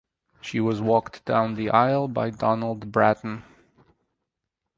She was walked down the aisle by Donald Bratton.